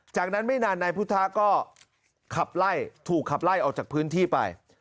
จากนั้นไม่นานนายพุทธะก็ขับไล่ถูกขับไล่ออกจากพื้นที่ไป